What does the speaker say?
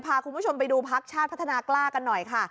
พาคุณผู้ชมไปดูพักชาติพัฒนากล้ากันหน่อยค่ะ